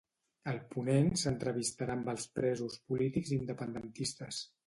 El ponent s'entrevistarà amb els presos polítics independentistes